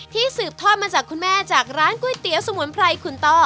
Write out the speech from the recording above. สืบทอดมาจากคุณแม่จากร้านก๋วยเตี๋ยวสมุนไพรขุนต้อ